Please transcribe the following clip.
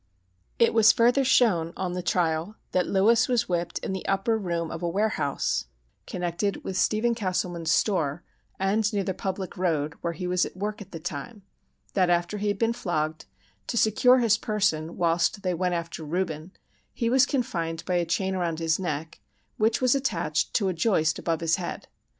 "It was further shown, on the trial, that Lewis was whipped in the upper room of a warehouse, connected with Stephen Castleman's store, and near the public road, where he was at work at the time; that after he had been flogged, to secure his person, whilst they went after Reuben, he was confined by a chain around his neck, which was attached to a joist above his head.